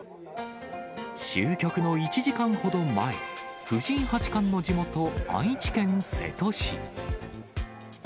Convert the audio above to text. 終局の１時間ほど前、藤井八冠の地元、愛知県瀬戸市。